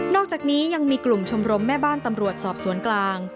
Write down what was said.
อกจากนี้ยังมีกลุ่มชมรมแม่บ้านตำรวจสอบสวนกลาง